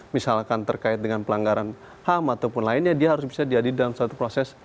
misalkan terkait dengan pelanggaran ham ataupun lainnya dia harus bisa jadi dalam suatu proses